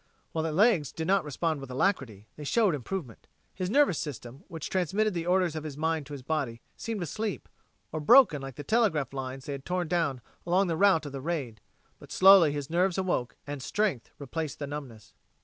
While the legs did not respond with alacrity, they showed improvement. His nervous system, which transmitted the orders of his mind to his body, seemed asleep or broken like the telegraph lines they had torn down along the route of the raid. But slowly his nerves awoke, and strength replaced the numbness.